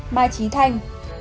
mai trí thanh